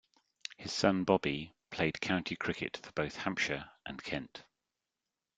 His son, Bobby, played county cricket for both Hampshire and Kent.